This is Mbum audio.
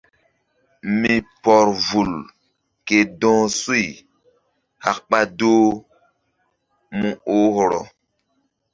Mi pɔr vul ke dɔh suy hak ɓa doh mu oh hɔrɔ.